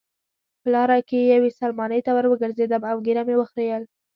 په لاره کې یوې سلمانۍ ته وروګرځېدم او ږیره مې وخریل.